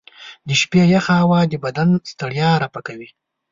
د شپې یخه هوا د بدن ستړیا رفع کوي.